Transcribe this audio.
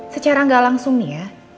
secara nggak langsung nih ya